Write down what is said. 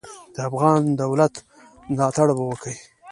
د افغان دولت ملاتړ به وکي.